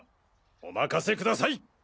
おまかせください！